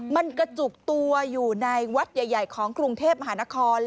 มันกระจุกตัวอยู่ในวัดใหญ่ของกรุงเทพมหานคร